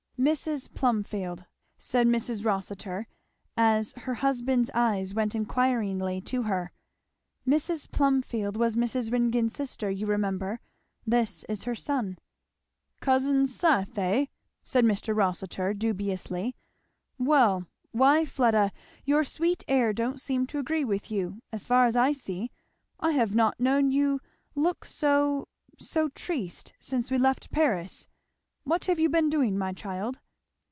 "Mrs. Plumfield," said Mrs. Rossitur, as her husband's eyes went inquiringly to her, "Mrs. Plumfield was Mr. Ringgan's sister, you remember. This is her son." "Cousin Seth, eh?" said Mr. Rossitur dubiously. "Well Why Fleda, your sweet air don't seem to agree with you, as far as I see; I have not known you look so so triste since we left Paris. What have you been doing, my child?"